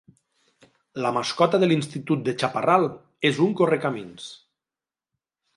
La mascota de l'institut de Chaparral és un correcamins.